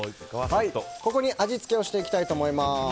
ここに味付けをしていきたいと思います。